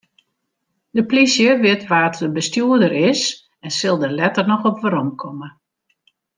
De polysje wit wa't de bestjoerder is en sil dêr letter noch op weromkomme.